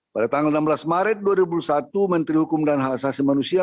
pada tanggal enam belas maret dua ribu satu menteri hukum dan hak asasi manusia